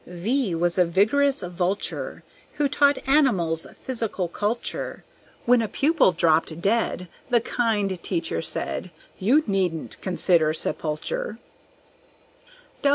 V was a vigorous Vulture, Who taught animals physical culture; When a pupil dropped dead, The kind teacher said, "You needn't consider sepulture."